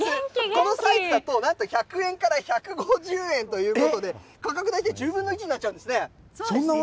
このサイズだと、なんと１００円から１５０円ということで、このぐらいで１０分の１ぐらいになっちゃうんですね。